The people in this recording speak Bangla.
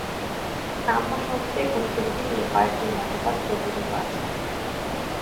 সাম্বা শব্দের উৎপত্তি নিয়ে কয়েকটি মতবাদ প্রচলিত আছে।